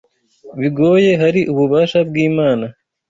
bigoye hari ububasha bw’Imana